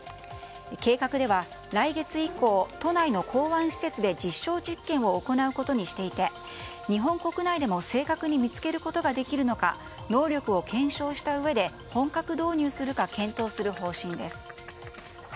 計画では来月以降都内の港湾施設で実証実験を行うことにしていて日本国内でも正確に見つけることができるのか能力を検証したうえで本格導入するか検討する方針です。